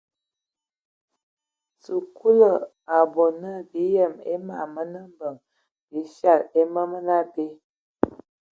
Sikulu a bɔ na bi yem a mam mənə mbəŋ bi fyal e ma mənə abe.